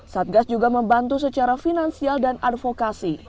satgas juga membantu secara finansial dan advokasi